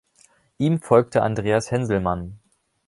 Ihm folgte Andreas Henselmann.